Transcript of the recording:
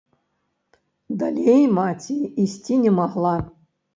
Далей маці ісці не магла.